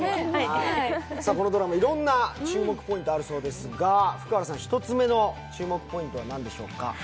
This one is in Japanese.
このドラマ、いろいろな注目ポイントがあるそうですが、福原さん１つ目の注目ポイントはなんでしょうか？